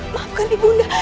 maafkan ibu bunda